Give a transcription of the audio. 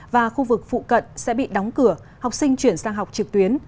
và khu vực phụ cận sẽ bị đóng cửa học sinh chuyển sang học trực tuyến